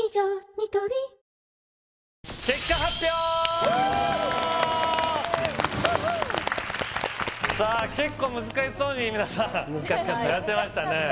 ニトリ結果発表さあ結構難しそうに皆さん難しかったやってましたね